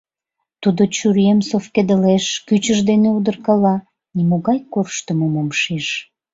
Тудо чурием совкедылеш, кӱчыж дене удыркала — нимогай корштымым ом шиж.